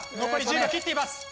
残り１０秒切っています。